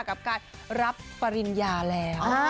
กับการรับปริญญาแล้ว